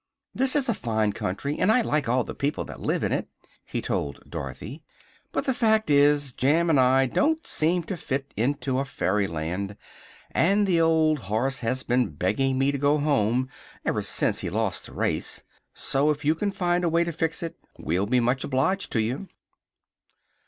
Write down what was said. "This is a fine country, and I like all the people that live in it," he told Dorothy. "But the fact is, Jim and I don't seem to fit into a fairyland, and the old horse has been begging me to go home again ever since he lost the race. So, if you can find a way to fix it, we'll be much obliged to you."